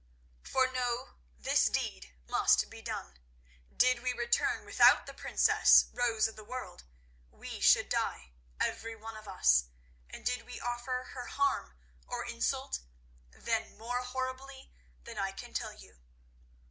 "For know, this deed must be done. Did we return without the princess Rose of the World, we should die, every one of us, and did we offer her harm or insult, then more horribly than I can tell you.